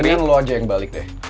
ini lo aja yang balik deh